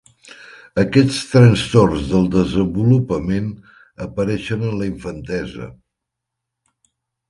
Aquests trastorns del desenvolupament apareixen en la infantesa.